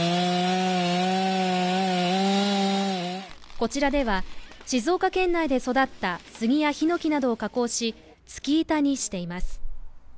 こちらでは静岡県内で育った、すぎやひのきなどを加工し、ツキ板にしています。